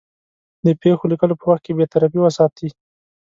د پېښو لیکلو په وخت کې بېطرفي وساتي.